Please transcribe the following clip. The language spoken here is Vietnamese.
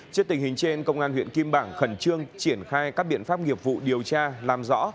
trước tình hình trên công an huyện kim bảng khẩn trương triển khai các biện pháp nghiệp vụ điều tra làm rõ